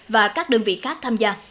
và các đơn vị khác tham gia